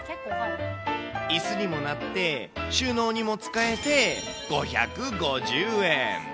いすにもなって、収納にも使えて、５５０円。